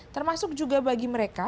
termasuk juga bagi mereka